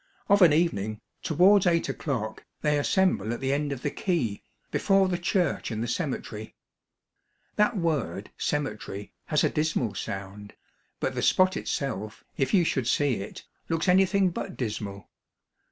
Of an evening, towards eight o'clock, they assemble at 288 Monday Tales, the end of the quay, before the church and the cemetery. That word *' cemetery " has a dismal sound, but the spot itself, if you should see it, looks anything but dismal.